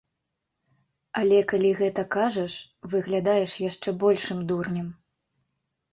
Але калі гэта кажаш, выглядаеш яшчэ большым дурнем.